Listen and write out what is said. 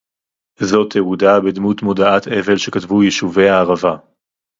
זו תעודה בדמות מודעת אבל שכתבו יישובי הערבה